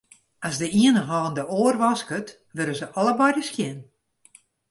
As de iene hân de oar wasket, wurde se allebeide skjin.